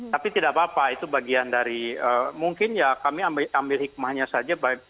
tapi tidak apa apa itu bagian dari mungkin ya kami ambil hikmahnya saja